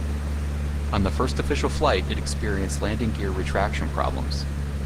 On the first official flight, it experienced landing gear retraction problems.